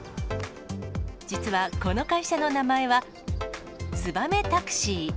実は、この会社の名前は、つばめタクシー。